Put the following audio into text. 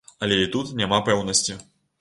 Але і тут няма пэўнасці.